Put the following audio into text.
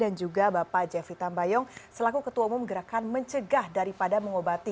dan juga bapak jeffrey tambayong selaku ketua umum gerakan mencegah daripada mengobati